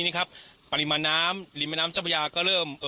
นะครับปริมาณน้ำลิมน้ำจ้าประยาก็เริ่มเอ่อ